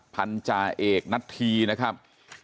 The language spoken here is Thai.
พันธาเอกนัทธีนะครับ